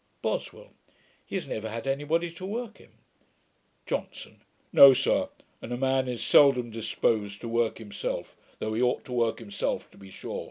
BOSWELL. 'He has never had any body to work him.' JOHNSON. 'No, sir; and a man is seldom disposed to work himself; though he ought to work himself, to be sure.'